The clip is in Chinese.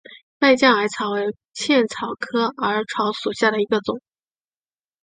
败酱耳草为茜草科耳草属下的一个种。